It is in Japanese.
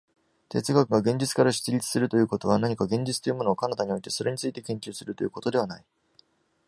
哲学が現実から出立するということは、何か現実というものを彼方に置いて、それについて研究するということではない。